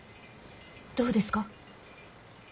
どうですか？